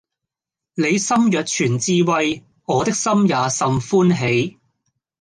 你心若存智慧，我的心也甚歡喜